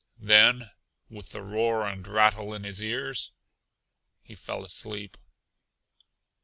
Then, with the roar and rattle in his ears, he fell asleep.